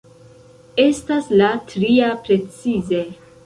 Estas la tria precize.